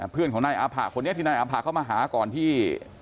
เพื่อนของนายอาผะคนนี้ที่นายอาภาเข้ามาหาก่อนที่